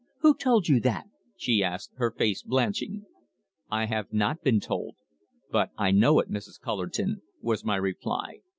"Who told you that!" she asked, her face blanching. "I have not been told. But I know it, Mrs. Cullerton," was my reply.